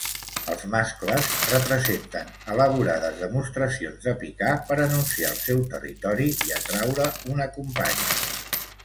Els mascles representen elaborades demostracions de picar per anunciar el seu territori i atraure una companya.